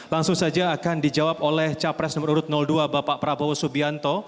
langsung saja akan dijawab oleh capres nomor urut dua bapak prabowo subianto